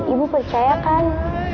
ibu percaya kan